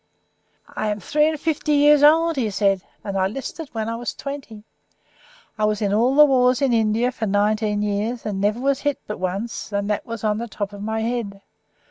"I am three and fifty years old," he said, "and I 'listed when I was twenty. I was in all the wars in India for nineteen years, and never was hit but once, and that was on the top of my head.